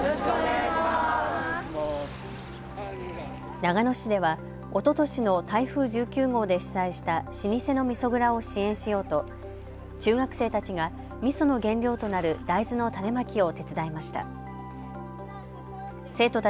長野市では、おととしの台風１９号で被災した老舗のみそ蔵を支援しようと中学生たちが、みその原料となる大豆の種まきを手伝いました。